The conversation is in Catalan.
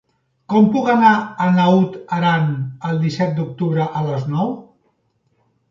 Com puc anar a Naut Aran el disset d'octubre a les nou?